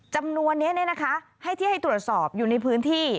จำนวนนี้ให้ที่ให้ตรวจสอบอยู่ในพื้นที่